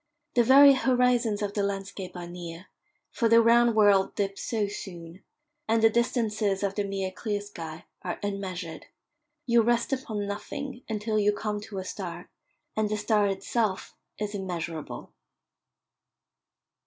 The very horizons of the landscape are near, for the round world dips so soon; and the distances of the mere clear sky are unmeasured you rest upon nothing until you come to a star, and the star itself is immeasurable.